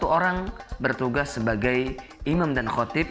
satu orang bertugas sebagai imam dan khotib